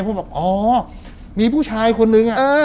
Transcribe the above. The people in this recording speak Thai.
ผมบอกอ๋อมีผู้ชายคนนึง